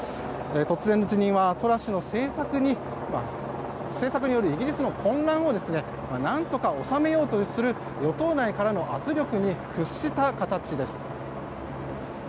突然の辞任はトラス氏の政策によるイギリスの混乱を何とか収めようとする与党内からの圧力に屈した形です。